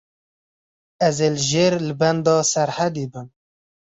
Ez ê li jêr li benda Serhedî bim.